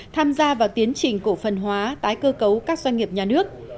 tham gia vào tiến trình cổ phần hóa tái cơ cấu các doanh nghiệp nhà nước